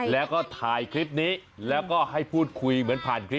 แล้วตอนนี้หนูเป็นอย่างไร